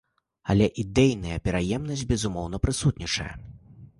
Але ідэйная пераемнасць, безумоўна, прысутнічае.